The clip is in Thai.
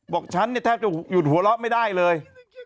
ฉันเนี่ยแทบจะหยุดหัวเราะไม่ได้เลย